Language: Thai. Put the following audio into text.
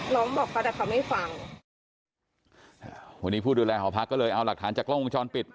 น้องบอกเขาแต่เขาไม่ฟังวันนี้ผู้ดูแลหอพักก็เลยเอาหลักฐานจากกล้องวงจรปิด